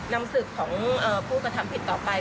นำศึกของผู้กระทำผิดต่อไป